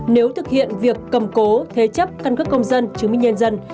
nếu thực hiện việc cầm cố thế chấp căn cước công dân chứng minh nhân dân